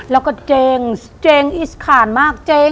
แล้วก็เจ๊งอี๋ข่านมาก